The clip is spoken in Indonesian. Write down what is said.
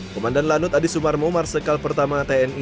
komandan lanut adi sumarmo marsikal pertama tni